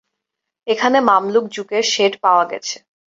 এখানে মামলুক যুগের শেড পাওয়া গেছে।